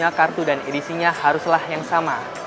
karena kartu dan edisinya haruslah yang sama